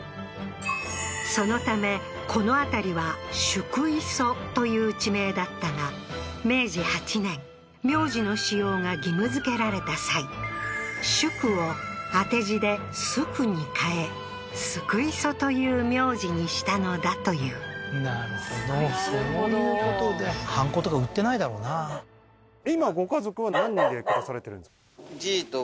そのためこの辺りは宿磯という地名だったが明治８年名字の使用が義務づけられた際「宿」を当て字で「漉」に変え漉磯という名字にしたのだというなるほどそういうことでハンコとか売ってないだろうなあっ